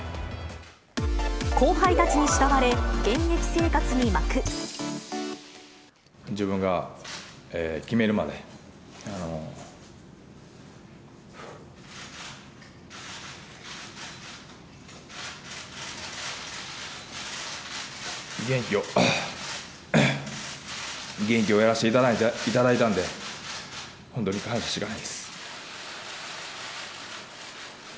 後輩たちに慕われ、現役生活自分が決めるまで、現役をやらせていただいたんで、本当に感謝しかないです。